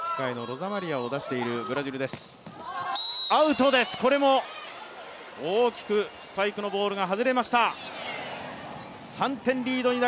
アウトです、これも大きくスパイクのボールが外れました。